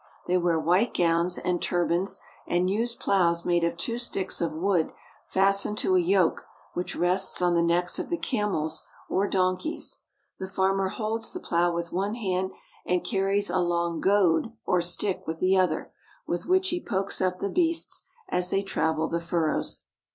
They wear white gowns and tur bans, and use plows made of two sticks of wood fastened " In some places the farmers are plowing. to a yoke which rests on the necks of the camels or don keys. The farmer holds the plow with one hand, and car ries a long goad or stick with the other, with which he pokes up the beasts as they travel the furrows.